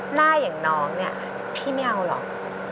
หน้าอย่างน้องเนี่ยพี่ไม่เอาหรอก